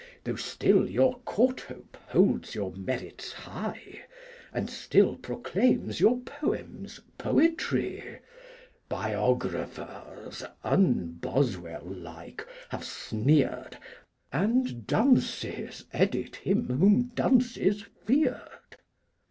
Though still your Courthope holds your merits high, And still proclaims your Poems poetry, Biographers, un Boswell like, have sneered, And Dunces edit him whom Dunces feared!